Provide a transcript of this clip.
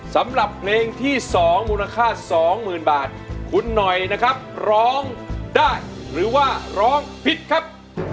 สำหรับเพลงที่๒มูลค่า๒๐๐๐บาทคุณหน่อยนะครับร้องได้หรือว่าร้องผิดครับ